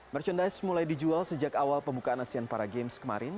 merchandise mulai dijual sejak awal pembukaan asian para games kemarin